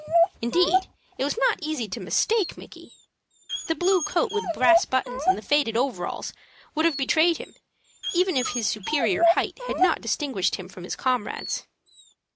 Indeed, it was not easy to mistake Micky. The blue coat with brass buttons and the faded overalls would have betrayed him, even if his superior height had not distinguished him from his comrades.